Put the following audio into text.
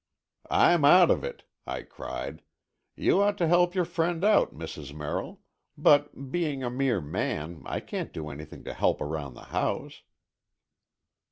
"I'm out of it," I cried. "You ought to help your friend out, Mrs. Merrill, but, being a mere man, I can't do anything to help around the house."